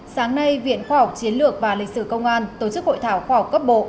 sáng nay viện khoa học chiến lược và lịch sử công an tổ chức hội thảo khoa học cấp bộ